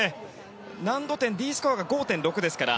難度点、Ｄスコアが５．６ですから。